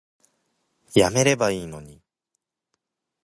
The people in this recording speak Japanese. やめればいいのに